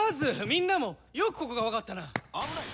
みんなもよくここが分かったな危ない！